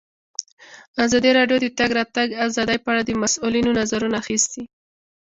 ازادي راډیو د د تګ راتګ ازادي په اړه د مسؤلینو نظرونه اخیستي.